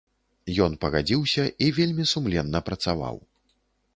Ён пагадзіўся і вельмі сумленна працаваў.